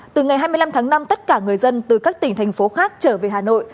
từ ngày hai mươi năm tháng năm tất cả người dân từ các tỉnh thành phố khác trở về hà nội